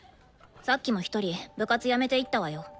さっきも１人部活辞めていったわよ。